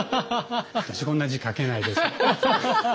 私こんな字書けないです。